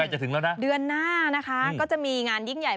จะถึงแล้วนะเดือนหน้านะคะก็จะมีงานยิ่งใหญ่